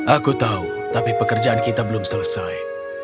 aku tahu tapi pekerjaan kita belum selesai